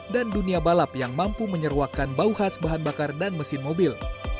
dan dunia balap yang mampu menyeruakan bau khas bahan bakar dan mesin mobil